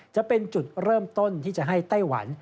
จะเป็นจุดเริ่มต้นที่จะให้ไต้หวัน